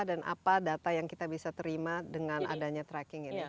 dan apa data yang kita bisa terima dengan adanya tracking ini